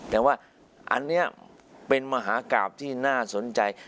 แต่ว่าอันนี้เป็นมหากราบที่น่าสนใจ